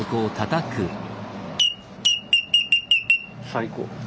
最高。